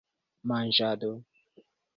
manĝado